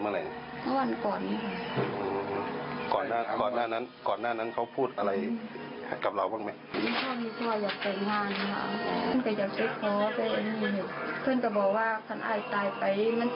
เพื่อนก็บอกว่าฮันอายตายไปมันจะไม่ได้ไปขอไปหา